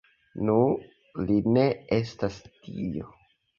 Nu, li ne estas dio